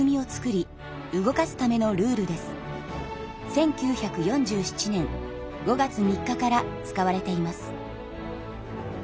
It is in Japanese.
１９４７年５月３日から使われています。